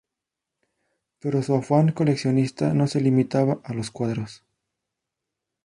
Pero su afán coleccionista no se limitaba a los cuadros.